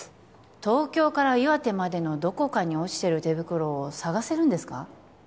東京から岩手までのどこかに落ちてる手袋を捜せるんですか？